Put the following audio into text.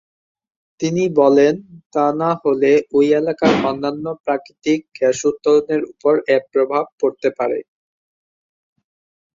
তিনি বলেন তা না হলে ওই এলাকার অন্যন্য প্রাকৃতিক গ্যাস উত্তোলনের উপর এর প্রভাব পরতে পারে।